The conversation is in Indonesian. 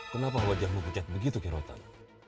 kenapa wajahmu pucat begitu kiro tan